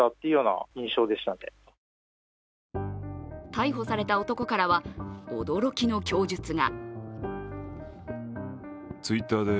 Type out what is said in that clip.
逮捕された男からは驚きの供述が。